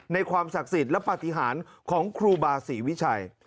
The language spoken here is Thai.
ความศักดิ์สิทธิ์และปฏิหารของครูบาศรีวิชัย